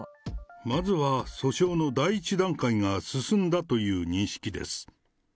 まずは訴訟の第一段階が進んだという認識です。